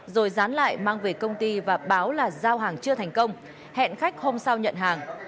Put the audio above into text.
rồi dán lại mang về công ty và báo là giao hàng chưa thành công hẹn khách hôm sau nhận hàng